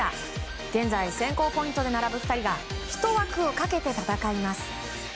現在、選考ポイントで並ぶ２人が１枠をかけて戦います。